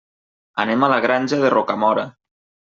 Anem a la Granja de Rocamora.